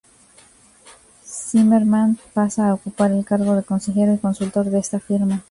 Zimmerman pasa a ocupar el cargo de consejero y consultor de esta firma.